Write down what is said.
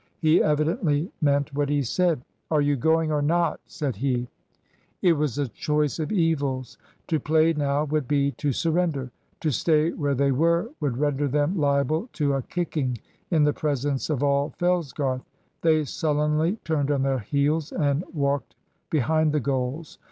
He evidently meant what he said. "Are you going or not?" said he. It was a choice of evils. To play now would be to surrender. To stay where they were would render them liable to a kicking in the presence of all Fellsgarth. They sullenly turned on their heels and walked behind the goals.